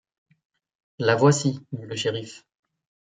La voici, dit le shériff.